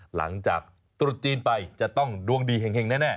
หลังจากตรุษจีนไปจะต้องดวงดีแห่งแน่